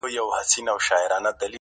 • زړه می هر گړی ستا سترگي راته ستایی -